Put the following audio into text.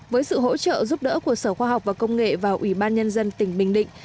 với sự hỗ trợ giúp đỡ của sở khoa học và công nghệ và ủy ban nhân dân tỉnh bình định